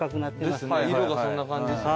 ですね色がそんな感じですね。